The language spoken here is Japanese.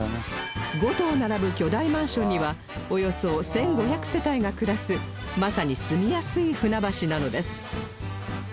５棟並ぶ巨大マンションにはおよそ１５００世帯が暮らすまさに住みやすい船橋なのです